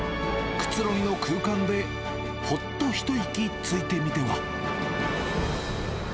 くつろぎの空間で、ほっと一息ついてみては。